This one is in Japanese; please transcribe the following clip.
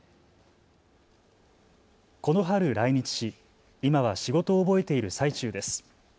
この春、来日し今は仕事を覚えている最中です。